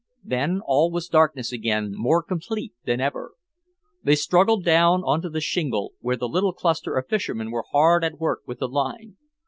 Then all was darkness again more complete than ever. They struggled down on to the shingle, where the little cluster of fishermen were hard at work with the line.